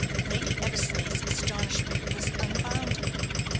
Lady Eversleigh's astonishment was unbounded.